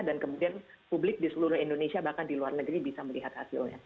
dan kemudian publik di seluruh indonesia bahkan di luar negeri bisa melihat hasilnya